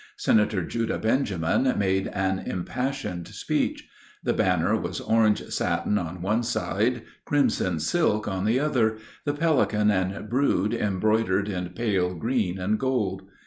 Senator Judah Benjamin made an impassioned speech. The banner was orange satin on one side, crimson silk on the other, the pelican and brood embroidered in pale green and gold.